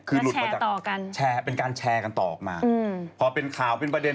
แล้วแชร์ต่อกันเป็นการแชร์กันต่อออกมาพอเป็นข่าวเป็นประเด็น